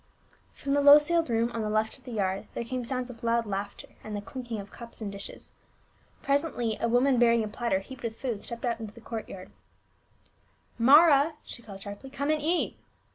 From the low ceiled room on the left of the yard came sounds of loud laughter and the clinking; of cups 21 322 PA UL. * and dishes ; presently a woman bearing a platter heaped with food stepped out into the court. " Mara !" she called sharply, " come and eat."